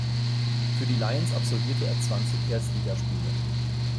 Für die "Lions" absolvierte er zwanzig Erstligaspiele.